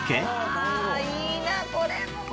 「うわいいなこれも」